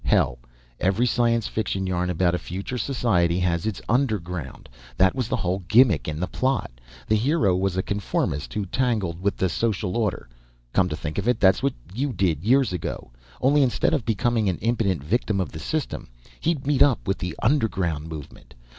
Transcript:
"Hell, every science fiction yarn about a future society had its Underground! That was the whole gimmick in the plot. The hero was a conformist who tangled with the social order come to think of it, that's what you did, years ago. Only instead of becoming an impotent victim of the system, he'd meet up with the Underground Movement.